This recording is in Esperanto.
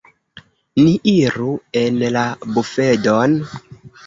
Ni iru en la bufedon.